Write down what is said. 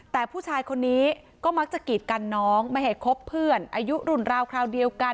แต่ผู้ชายคนนี้ก็มักจะกีดกันน้องไม่ให้คบเพื่อนอายุรุ่นราวคราวเดียวกัน